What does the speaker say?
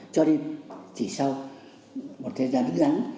cho đến chỉ sau một thế gian đứng gắn